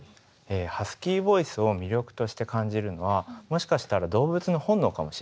ハスキーボイスを魅力として感じるのはもしかしたら動物の本能かもしれないんですね。